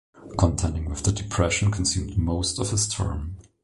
Contending with the Depression consumed most of his term.